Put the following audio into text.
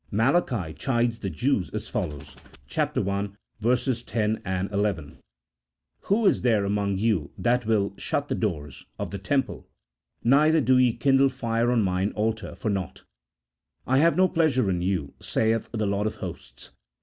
Malachi chides the Jews as follows (i. 10 11.): — "Who is there among you that will shut the doors ? [of the Temple] ; neither do ye kindle fire on mine altar for nought. I have no pleasure in you, saith the Lord of Hosts.